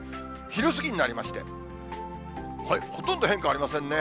昼過ぎになりまして、ほとんど変化はありませんね。